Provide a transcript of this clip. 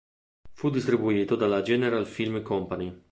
Fu distribuito dalla General Film Company.